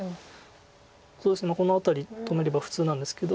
この辺り止めれば普通なんですけど。